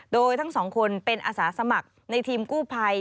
โดยทั้งสองคนเป็นอาสาสมัครในทีมกู้ภัย